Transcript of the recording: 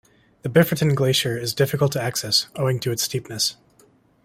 The Biferten Glacier is difficult to access, owing to its steepness.